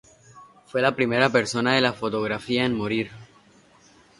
Fue la primera persona de la fotografía en morir.